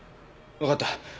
わかった。